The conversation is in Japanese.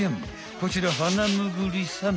こちらハナムグリさま。